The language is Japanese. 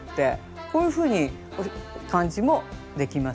こういうふうに感じもできますね。